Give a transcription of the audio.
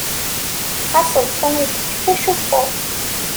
Aseḍsu itekkes acuffu.